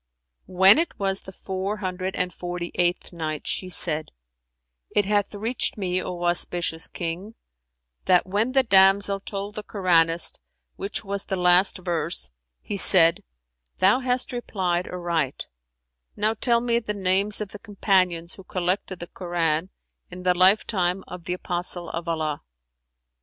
When it was the Four Hundred and Forty eighth Night, She said, It hath reached me, O auspicious King, that when the damsel told the Koranist which was the last verse he said, "Thou hast replied aright; now tell me the names of the Companions who collected the Koran, in the lifetime of the Apostle of Allah."